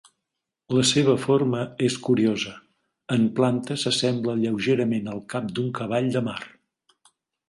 La seva forma és curiosa, en planta s'assembla lleugerament al cap d'un cavall de mar.